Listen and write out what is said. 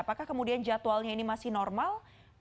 apakah kemudian jadwalnya ini masih normal